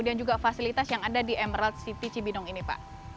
juga fasilitas yang ada di emerald city cibinong ini pak